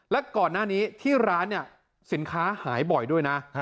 และก่อนหน้านี้ที่ร้านเนี่ยสินค้าหายบ่อยด้วยนะ